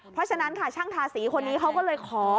เพราะฉะนั้นค่ะช่างทาสีคนนี้เขาก็เลยขอ